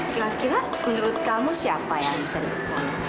kira kira menurut kamu siapa yang bisa dipercaya